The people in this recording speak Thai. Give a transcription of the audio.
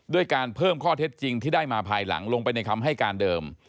การเพิ่มข้อเท็จจริงที่ได้มาภายหลังลงไปในคำให้การเดิม